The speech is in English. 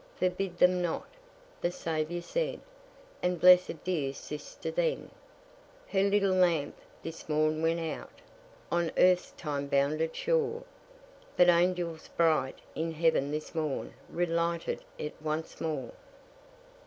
"Forbid them not," the Saviour said, And blessed dear sister then. Her little lamp this morn went out On earth's time bounded shore; But angels bright in heaven this morn Relighted it once more.